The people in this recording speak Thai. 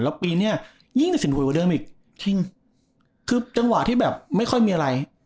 แล้วปีเนี้ยยิ่งตัดสินหวยกว่าเดิมอีกจริงคือจังหวะที่แบบไม่ค่อยมีอะไร